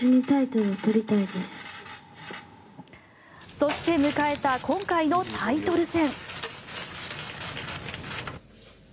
そして迎えた今回のタイトル戦。